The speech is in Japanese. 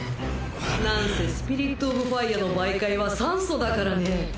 なんせスピリットオブファイアの媒介は酸素だからね。